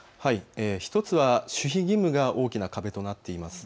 １つは守秘義務が大きな壁となっています。